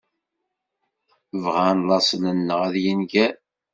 Bγan laṣel-nneγ ad yenger.